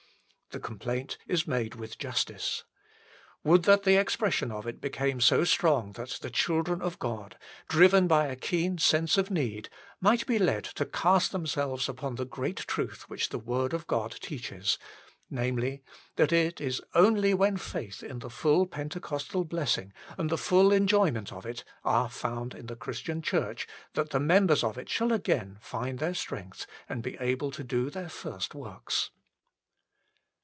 The complaint is made with justice. Would that the expression of it became so strong that the children of God, driven by a keen sense of need, might be led to cast themselves upon the great truth which the Word of God teaches namely, that it is only when faith in the full Pentecostal blessing and the full enjoyment of it are found in the Christian Church that the members of it shall again find their strength and be able to do their first works.